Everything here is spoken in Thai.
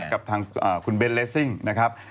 กับทางคุณเบนเลสซิ่งนะครับ